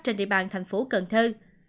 trên địa bàn tp cần thơ